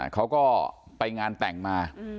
เขาก็ไปงานแต่งมา